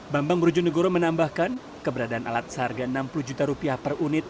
bambang brojonegoro menambahkan keberadaan alat seharga enam puluh juta rupiah per unit